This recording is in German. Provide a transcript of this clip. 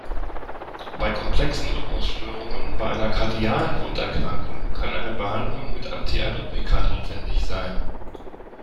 Bei komplexen Rhythmusstörungen bei einer kardialen Grunderkrankung kann eine Behandlung mit Antiarrhythmika notwendig sein.